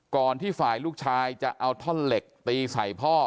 ที่ฝ่ายลูกชายจะเอาท่อนเหล็กตีใส่พ่อ